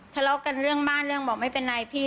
ทะเลาะกันเรื่องบ้านเรื่องบอกไม่เป็นไรพี่